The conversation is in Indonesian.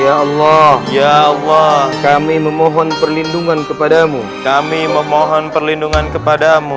ya allah ya allah kami memohon perlindungan kepadamu kami memohon perlindungan kepadamu